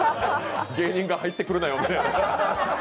芸人が入ってくるなよみたいな。